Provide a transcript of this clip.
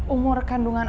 umur kandungan aku